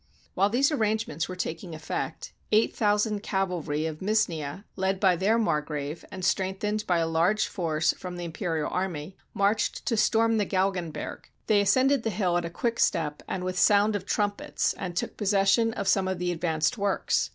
While these arrangements were taking effect, 8000 cavalry of Misnia, led by their margrave, and strength ened by a large force from the imperial army, marched to storm the Galgenberg. They ascended the hill at a quickstep and with sound of trumpets, and took posses sion of some of the advanced works.